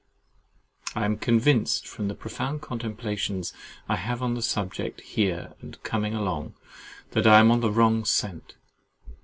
I am convinced from the profound contemplations I have had on the subject here and coming along, that I am on a wrong scent.